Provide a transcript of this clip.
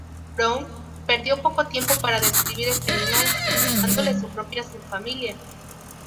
Brown perdió poco tiempo para describir este animal, dándole su propia subfamilia.